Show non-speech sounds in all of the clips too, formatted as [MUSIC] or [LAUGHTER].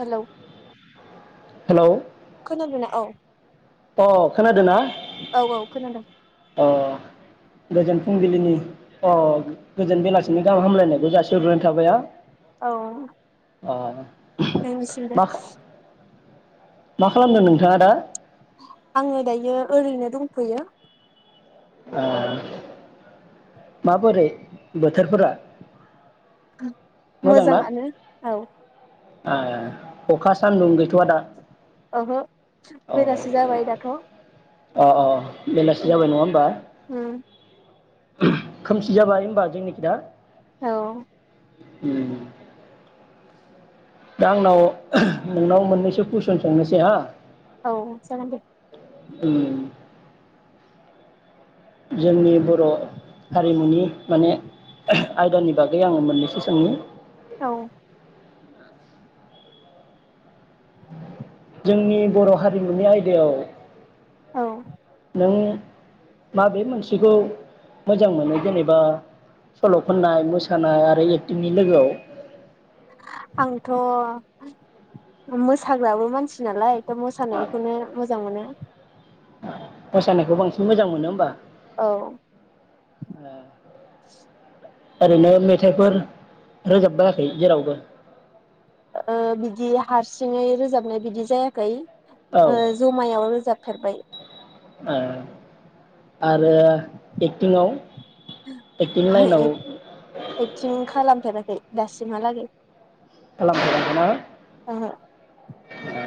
Hello. Hello. खोनादोंना? औ। अ खोनादोंना? औ औ खोनादों अ गोजोन फुंबिलिनि अ गोजोन बेलासिनि गाहाम हामलायनायखौ जासि हरग्रोनाय थाबाय हा। औ नोंनिसिम मा बो। मा खालामदों नोंथाङा दा? आङो दायो ओरैनो दंथ'यो। ओं माबोरै बोथोरफोरा? मोजाङानो औ। ए अखा सान्दुं गैथ'आ दा? ओहो अ बेलासि जाबाय दाथ' अ अ बेलासि उम जाबाय नङा होमबा? खोमसि जाबाय होमबा जोंनिखि दा? औ। उम। दा आंनाव नोंनाव मोननैसो कुइसन सोंनोसै हा। औ जागोन दे। उम। जोंनि बर हारिमुनि माने आयदानि बागै आङो मोननैसो सोंनि औ जोंनि बर हारिमुनि आयदायाव औ नों माबे मोनसेखौ मोजां मोनो जेनेबा सल खननाय मोसानाय आरो एक्टिंनि लोगोआव? आंथ' मोसाग्राबो मानसि नालाय मोसानायखौनो मोज मोजां मोनो मोसानायखौ बांसिन मोजां मोनो होमबा? औ ओ आरैनो मेथाइफोर रोजाब बायाखै जेरावबो? ओ बिदि हारसिङै रोजाबनाय बिदि जायाखै। औ ओ जमायाव रोजाब फेरबाय। ओ आरो एक्टिंआव एक्टिं हो लाइनाव एक एक्टिं खालाम फेराखै दासिमहालागै खालाम फेराखै ना? ओहो आ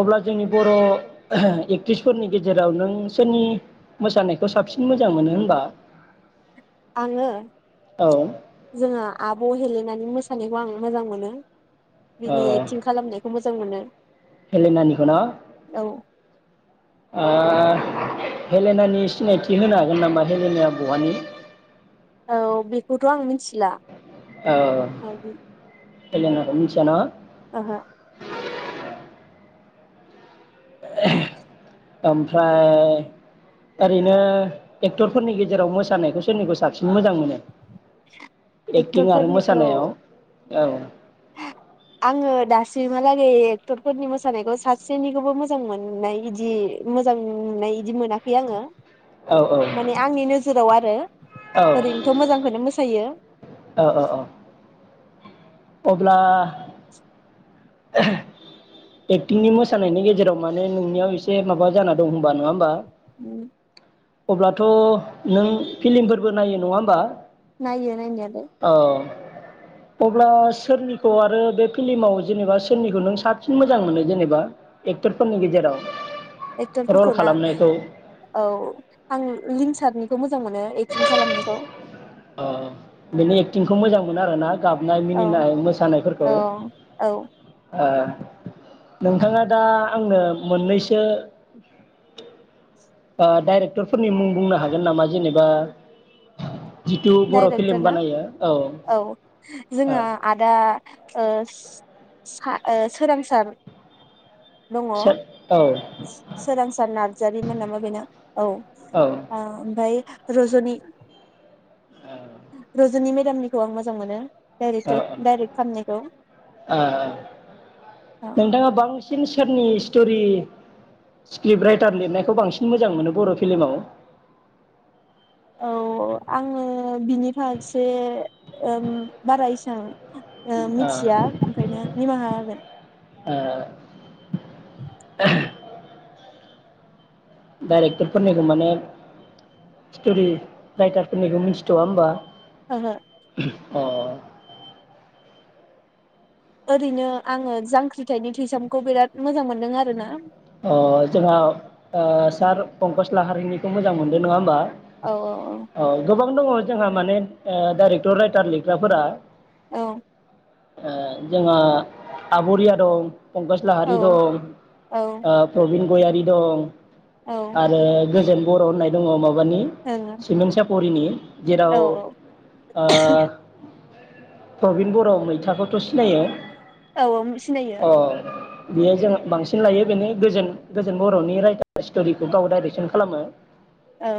अब्ला जोंनि बर एक्ट्रिसफोरनि गेजेराव नों सोरनि मोसानायखौ साबसिन मोजां मोनो होनबा? आङो औ जोङो आब हेलेनानि मोसा मोसानायखौ आं मोजां मोनो। बिनि एक्टिं खालामनायखौ मोजां मोजां मोनो। हेलिनानिखौ न? औ आ हेलेनानि सिनायथि होनो हागोन नामा? हेलेनाया बहानि? औ बेखौथ आं मिथिला औ [UNINTELLIGIBLE] मिथियाना? ओहो ओमफ्राय ओरैनो एक्टरफोरनि गेजेराव मोसानायखौ सोरनिखौ साबसिन मोजां मोनो? एक्टिं आरो एक्टरफोरनिखौ मोसानायाव औ आङो दासिमहालागै एक्टरफोरनि मोसानायखौ सासेनिखौबो मोजां मोननाय बिदि मोजां मोननाय इदि मोनाखै आङो औ माने आंनि नोजोराव आरो औ ओरैनोथ मोजांखौनो मोसायो औ औ औ। अब्ला। [INAUDIBLE] एक्टिंनि मोसानायनि गेजेराव माने नोंनियाव एसे माबा जाना दं होनबा नङा होमबा? उम। अब्लाथ नों फिलिमफोरबो नायो नङा होमबा? नायो नायनायालाय। औ अब्ला सोरनिखौ आरो बे फिल्माव जेनेबा सोरनिखौ नों सा साबसिन मोजां मोनो जेनेबा एक्टरफोरनि गेजेराव। रल एक्टरफोरखौ ना खालामनायखौ औ आं लिंसारनि मोजां मोनो एटिं खालामखौ। अ बिनि एक्टिंखौ मोजां मोनो आरो ना? गाबनाय मिनिनाय मोसानायफोरखौ औ औ ओ। नोंथाङा दा आंनो मोननैसो। डाइरेक्ट फोरनि मुं बुंनो हागोन नामा? जेनेबा। जिथु बर' डाइरेक्टर फिल्म ना बानायो औ ओ जोंहा आदा ओ। सा सोरांसार। दङ [UNINTELLIGIBLE] औ सोरांसार नार्जारिमोन नामा बेना। औ औ ओमफ्राय। रजनि रजनि मेदामनिखौ आं मोजां मोनो। औ डाइरेक्टर डाइरेक्ट खामनायखौ ओ औ। सोर नि स्टरि स्क्रिप राइटार लिरनायखौ बांसिन मोजां मोनो बर फिल्माव? औ अ आङो बिनिफारसे ओम बारा एसां। ओ मिथिया ओंखायनो निमाहा हागोन। ओ। [INAUDIBLE] डाइरेक्टरफोरनिखौ माने स्टरि राइटारफोरनिखौ मिथिथवा होमबा? ओहो। अ। ओरैनो आङो जांख्रिथायनि थैसामखौ बिराद मोजां मोनदों आर ना। अ जोंहा सार पंकस लाहारिनिखौ मोजां मोनदों नङा होमबा? औ औ औ। दङ जोंहा माने डाइरेक्टर राइटार लिरग्राफोरा। औ जोंहा आबरिया दं। फंकस औ लाहारि दं। औ प्रबिन गयारि दं औ आरो गोजोन बर' होननाय दङ माबा नि ओं परिनि औ जेराव औ ओ प्रबिन बर' मैथाखौथ सिनायो औ औ सिनायो आरो बेह जों बांसिन लायो बेनो गोजोन गोजोन बरनि राइटार स्टरिखौ गाव डाइरेक्सन खालामो। औ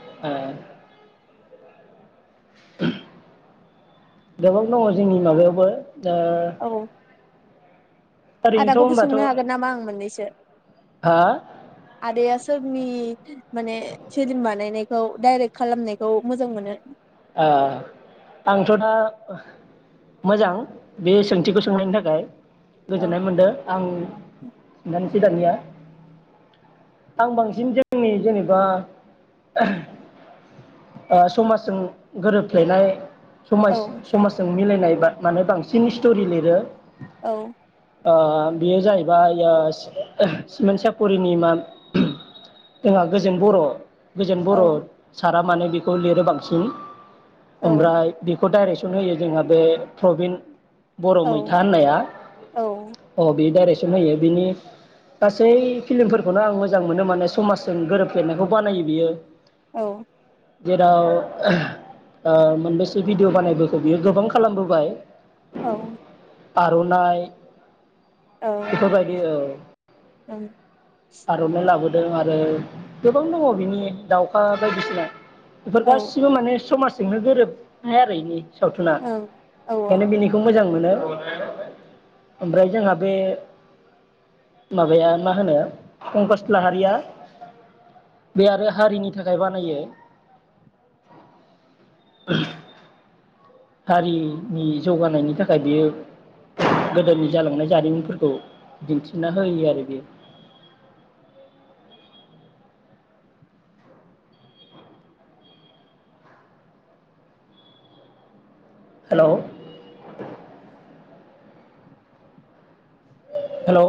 ओ गोबां दङ जोंनि माबायावबो ओ औ ओरैनोथ' आदाखौबो होनबाथ' सोंनो हागोन नामा आं मोननैसो? हा आदाया सोरनि माने फिलिम बानायायनाय खौ डाइरेक्ट खालामनायखौ मोजां मोनो ओ आंथ' दा मोजां बे सोंथिखौ सोंनायनि थाखाय औ गोजोननाय मोनदों आं नों सि दानिया आं बांसिन जोंनि जेनेबा समाजजों गोरोबफ्लैनायाय औ समाज समाजों मिलायना बा माने बांसिन स्टरि लिरो। औ ओ बेयो जाहैबाय ओ ओह सिमोन सापरिनि मा ओहोम जोंहा गोजोन बर' गोजोन औ बर' साराबो माने बेखौ लिरो बांसिन। औ ओमफ्राय बे खौ डाइरेक्सन होयो जोंहा बे प्रबिन बर' औ मैथा होननाया औ अ बे डाइरेक होयो बिनि गासै फिलिमफोरखौनो आं मोजां मोनो माने समाजजों गोरोबफ्लेनायखौ बानायो बियो औ जेराव ओ मोनबेसे भिडिअ बानायबोखौ बियो गोबां खालामबोबाय औ आरनाइ बेफोरबायदि औ ओं आरनाइ लाबोदों आरो गोबां दङ बिनि दाउखा बायदिसिना बेफोर ओं गासिबो माने समाज जोंनो गोरोबनाय आरो इनि सावथुना औ ओंखायनो बिनिखौ मोजां मोनो ओमफ्राय जोंहा बे माबाया मा होनो पंकस लाहारिया बे आरो हारिनि थाखाय बानायो हारिनि जौगानायनि थाखाय बियो गोदोनि जालांनाय जारिमिनफोरखौ दिन्थिना होयो आरो बेयो हेल हेलौ